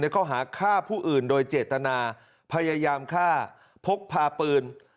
ข้อหาฆ่าผู้อื่นโดยเจตนาพยายามฆ่าพกพาปืน